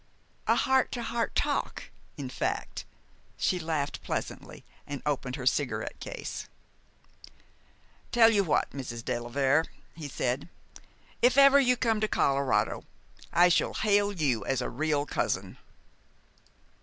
"A heart to heart talk, in fact." She laughed pleasantly, and opened her cigarette case. "Tell you what, Mrs. de la Vere," he said, "if ever you come to Colorado I shall hail you as a real cousin!"